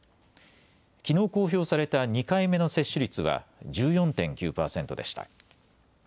きのう公表された２回目の接種率は１４．９％でした。